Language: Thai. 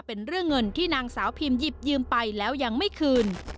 เป็นเรื่องเงินที่นางสาวพิมหยิบยืมไปแล้วยังไม่คืน